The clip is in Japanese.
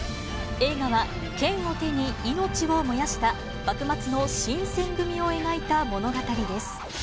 映画は、剣を手に命を燃やした、幕末の新選組を描いた物語です。